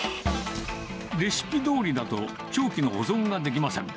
レシピどおりだと、長期の保存ができません。